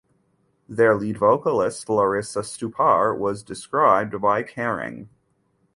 Their lead vocalist Larissa Stupar was described by Kerrang!